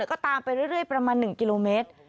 ก็ตามไปเรื่อยประมาณ๑กิโลเมตร